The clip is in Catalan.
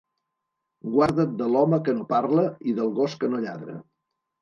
Guarda't de l'home que no parla i del gos que no lladra.